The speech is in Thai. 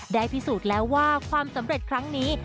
ได้พิสูจน์แล้วว่าความสำเร็จครั้งนี้